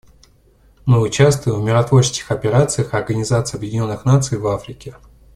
Мы участвуем в миротворческих операциях Организации Объединенных Наций в Африке.